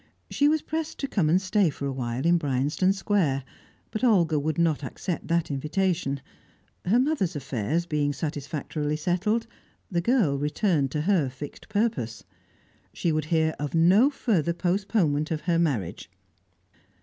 She was pressed to come and stay for a while in Bryanston Square, but Olga would not accept that invitation. Her mother's affairs being satisfactorily settled, the girl returned to her fixed purpose; she would hear of no further postponement of her marriage.